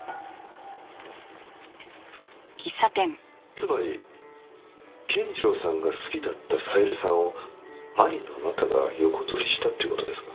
つまり健次郎さんが好きだった小百合さんを兄のあなたが横取りしたという事ですか？